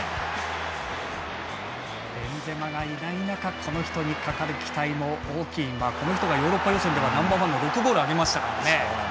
ベンゼマがいない中この人にかかる期待も大きい、この人がヨーロッパ予選ではナンバーワンの６ゴールを挙げましたから。